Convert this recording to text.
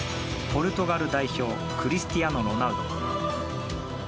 ポルトガル代表クリスティアーノ・ロナウド。